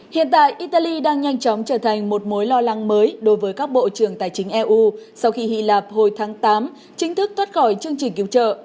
hiện tại italy đang nhanh chóng trở thành một mối lo lắng mới đối với các bộ trưởng tài chính eu sau khi hy lạp hồi tháng tám chính thức thoát khỏi chương trình cứu trợ